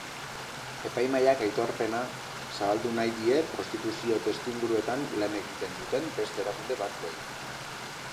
Epaimahaiak aitorpena zabaldu nahi die prostituzio-testuinguruetan lan egiten duten beste erakunde batzuei.